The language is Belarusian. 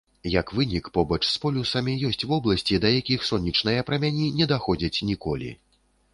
Як вынік, побач з полюсамі ёсць вобласці, да якіх сонечныя прамяні не даходзяць ніколі.